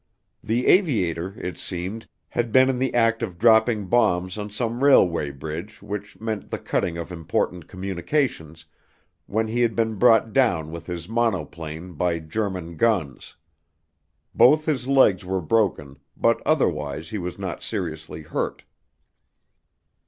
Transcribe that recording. The aviator, it seemed, had been in the act of dropping bombs on some railway bridge which meant the cutting of important communications, when he had been brought down with his monoplane, by German guns. Both his legs were broken, but otherwise he was not seriously hurt.